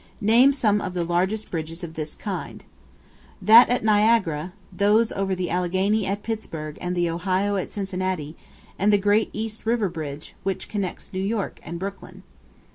Name some of the largest bridges of this kind. That at Niagara, those over the Allegheny at Pittsburg and the Ohio at Cincinnati, and the great East River bridge, which connects New York and Brooklyn.